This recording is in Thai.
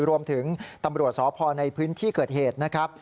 ตำรวจสพในพื้นที่เกิดเหตุนะครับ